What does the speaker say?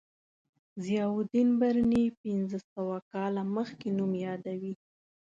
ضیاءالدین برني پنځه سوه کاله مخکې نوم یادوي.